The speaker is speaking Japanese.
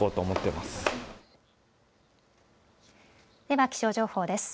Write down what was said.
では気象情報です。